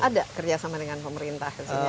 ada kerjasama dengan pemerintah di sini